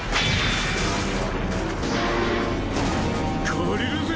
借りるぜ！